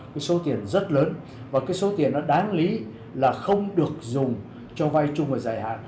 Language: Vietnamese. cái số tiền rất lớn và cái số tiền nó đáng lý là không được dùng cho vay chung và dài hạn